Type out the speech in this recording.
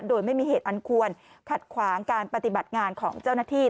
โดยไม่มีเหตุอันควรขัดขวางการปฏิบัติงานของเจ้าหน้าที่